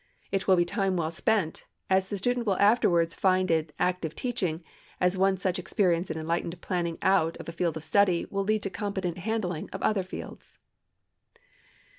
It will be time well spent, as the student will afterwards find in active teaching, as one such experience in enlightened planning out of a field of study will lead to competent handling of other fields.